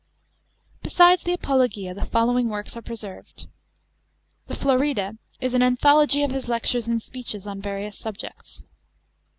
Besides the Apologia, the following works are preserved. The Florida is an "anthology" of his lectures and speeches, on various subjects.